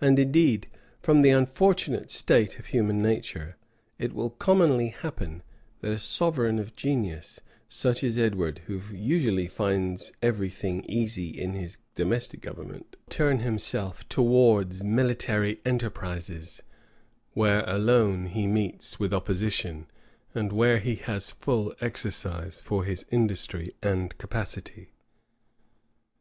And indeed, from the unfortunate state of human nature, it will commonly happen, that a sovereign of genius, such as Edward, who usually finds every thing easy in his domestic government, will turn himself towards military enterprises, where alone he meets with opposition, and where he has full exercise for his industry and capacity.